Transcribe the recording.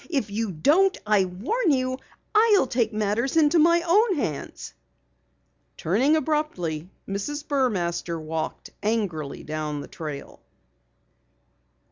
If you don't, I warn you, I'll take matters into my own hands!" Turning abruptly, Mrs. Burmaster walked angrily down the trail.